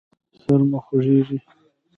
سر مو خوږیږي؟